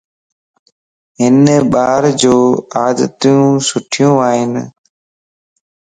ھن ٻارَ جو عادتيون سٺيون ائين